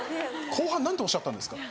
後半何ておっしゃったんですか。